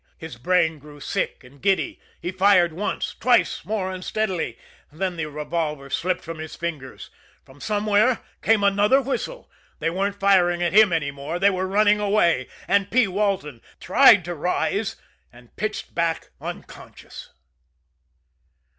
His brain grew sick and giddy. He fired once, twice more unsteadily then the revolver slipped from his fingers. From somewhere came another whistle they weren't firing at him any more, they were running away, and P. Walton tried to rise and pitched back unconscious.